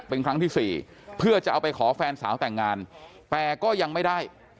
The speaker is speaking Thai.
เป็นครั้งที่สี่เพื่อจะเอาไปขอแฟนสาวแต่งงานแต่ก็ยังไม่ได้